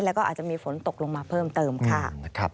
แล้วก็อาจจะมีฝนตกลงมาเพิ่มเติมค่ะ